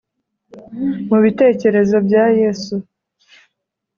Mu bitekerezo bya Yesu